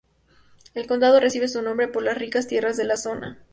El condado recibe su nombre por las ricas tierras de la zona..